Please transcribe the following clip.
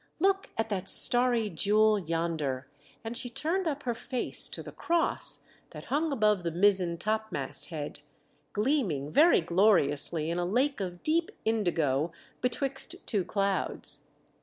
" Look at that starry jewel yonder," and she turned up her face to the Cross that hung above the mizzen topmast head, gleaming very gloriously in a lake of deep indigo betwixt two clouds.